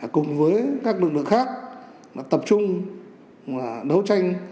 cùng với các lực lượng khác tập trung đấu tranh